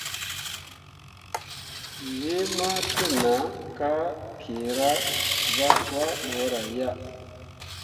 Wee ma təʼnah ka kyeera zah swah bəəra ya.